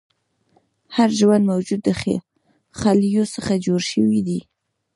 هر ژوندی موجود د خلیو څخه جوړ شوی دی